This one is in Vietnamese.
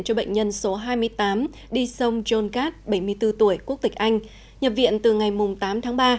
cho bệnh nhân số hai mươi tám đi sông john gatt bảy mươi bốn tuổi quốc tịch anh nhập viện từ ngày tám tháng ba